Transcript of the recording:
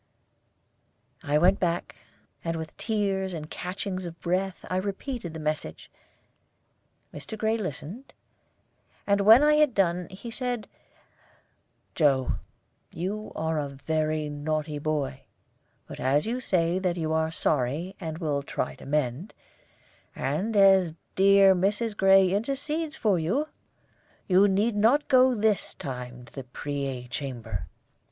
I went back, and with tears and catchings of the breath I repeated the message. Mr. Gray listened; and when I had done, he said: "Joe, you are a very naughty boy; but as you say that you are sorry, and will try to mend, and as dear Mrs. Gray intercedes for you, you need not go this time to the Preay Chamber.